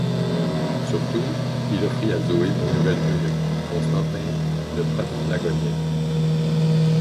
Surtout, il offrit à Zoé un nouvel eunuque, Constantin le Paphlagonien.